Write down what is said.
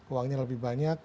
uangnya lebih banyak